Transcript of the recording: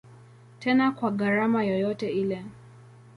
Tena kwa gharama yoyote ile.